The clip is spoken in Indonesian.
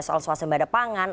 soal soal sembarangan pangan